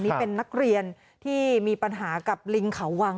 นี่เป็นนักเรียนที่มีปัญหากับลิงเขาวัง